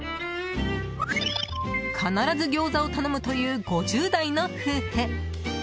必ずギョーザを頼むという５０代の夫婦。